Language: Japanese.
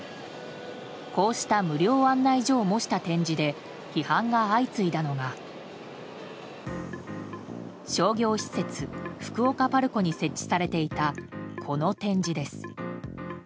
こうした無料案内所を模した展示で批判が相次いだのが商業施設福岡パルコに設置されていたこの展示です。